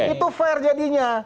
itu fair jadinya